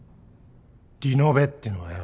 リノベってのはよ